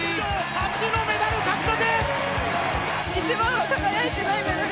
初のメダル獲得！